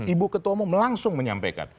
ibu ketua umum langsung menyampaikan